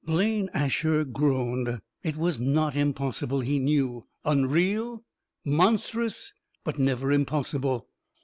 Blaine Asher groaned. It was not impossible, he knew. Unreal; monstrous but never impossible.